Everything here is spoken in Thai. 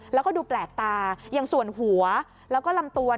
แล้วก็ดูแปลกตาอย่างส่วนหัวแล้วก็ลำตัว